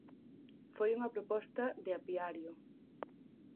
Foi unha proposta de Apiario.